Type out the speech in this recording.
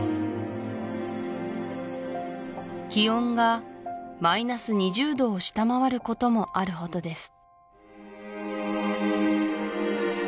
気温がマイナス２０度を下回ることもあるほどです